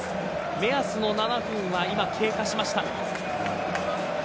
目安の７分は今経過しました。